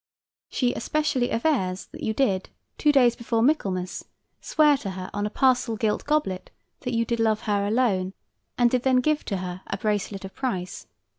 She especially avers that you did, two days before Michaelmas, swear to her on a parcel gilt goblet that you did love her alone, and did then give to her a bracelet of price.